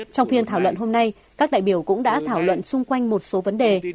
trong phiên thảo luận hôm nay các đại biểu cũng đã thảo luận xung quanh một số vấn đề